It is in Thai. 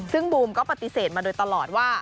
ซึ่งบูมก็ปฏิเสธมาโดยตลอดว่า